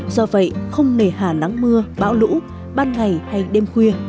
do vậy không nề hà nắng mưa bão lũ ban ngày hay đêm khuya